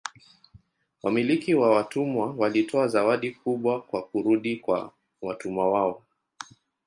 Wamiliki wa watumwa walitoa zawadi kubwa kwa kurudi kwa watumwa wao.